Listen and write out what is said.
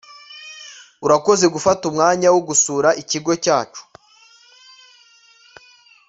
urakoze gufata umwanya wo gusura ikigo cyacu